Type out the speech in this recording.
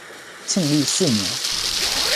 庆历四年。